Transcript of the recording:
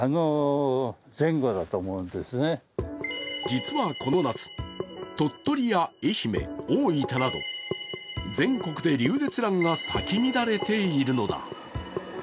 実はこの夏、鳥取や愛媛、大分など全国でリュウゼツランが咲き乱れているのだ。